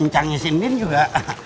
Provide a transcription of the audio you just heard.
cangis indin juga